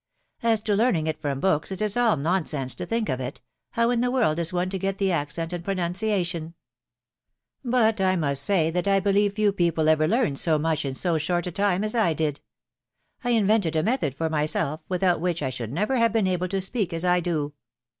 As to learning it from books, it is all nonsense to think of it .... how in the world is one to get the accent and pronunciation ?•... But I must say that I believe few people ever learned so much in so short a time as I did. I invented a method for myself, without which I should never have been able to speak as I do.